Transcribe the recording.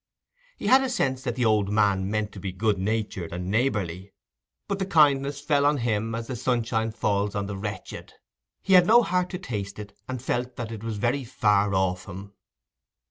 He had a sense that the old man meant to be good natured and neighbourly; but the kindness fell on him as sunshine falls on the wretched—he had no heart to taste it, and felt that it was very far off him.